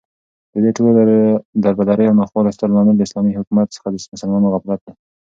ددې ټولو دربدريو او ناخوالو ستر لامل داسلامې حكومت څخه دمسلمانانو غفلت دى